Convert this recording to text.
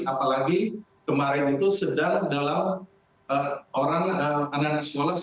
apalagi kemarin itu sedang dalam orang anak anak sekolah